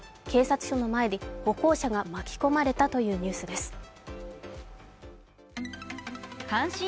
警察署の前に歩行者が巻き込まれたというニュースです。